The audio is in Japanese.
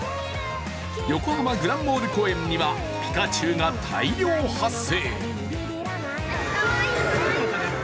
横浜・グランモール公園にはピカチュウが大量発生。